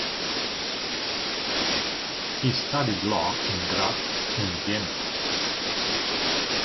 He studied law in Graz and Vienna.